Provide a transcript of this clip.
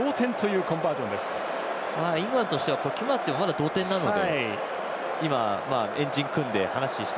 イングランドとしては決まっても、まだ同点なので。